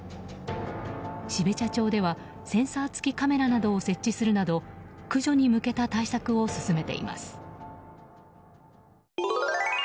標茶町ではセンサー付きカメラなどを設置するなど駆除に向けた対策を進めています。